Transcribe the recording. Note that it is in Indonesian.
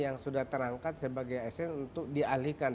yang sudah terangkat sebagai asn untuk dialihkan